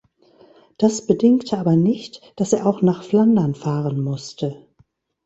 Das bedingte aber nicht, dass er auch nach Flandern fahren musste.